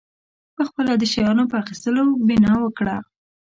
پخپله د شیانو په اخیستلو بنا وکړه.